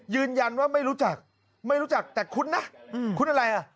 ยืนยันว่าไม่รู้จักไม่รู้จักแต่คุ้นนะคุ้นอะไรอ่ะ